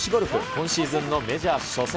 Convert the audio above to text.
今シーズンのメジャー初戦。